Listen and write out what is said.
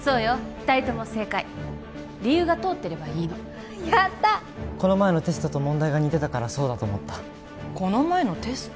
２人とも正解理由がとおってればいいのやったこの前のテストと問題が似てたからそうだと思ったこの前のテスト？